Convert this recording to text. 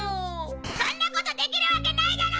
そんなことできるわけないだろ！